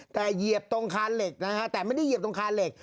แต่เหยียบตรงคานเหล็กนะฮะแต่ไม่ได้เหยียบตรงคานเหล็ก